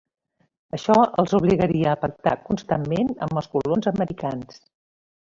Això els obligaria a pactar constantment amb els colons americans.